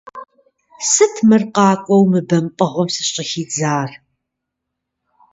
Сыт мыр къакӀуэу мы бэмпӀэгъуэм сыщӀыхидзар?